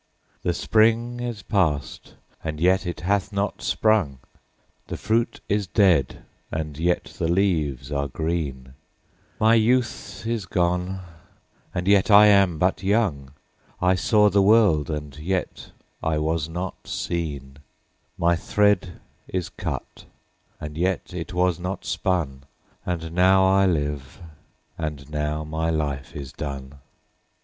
7The spring is past, and yet it hath not sprung,8The fruit is dead, and yet the leaves are green,9My youth is gone, and yet I am but young,10I saw the world, and yet I was not seen,11My thread is cut, and yet it was not spun,12And now I live, and now my life is done.